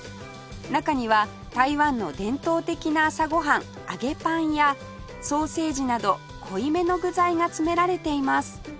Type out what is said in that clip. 中には台湾の伝統的な朝ご飯揚げパンやソーセージなど濃いめの具材が詰められています